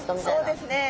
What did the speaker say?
そうですね。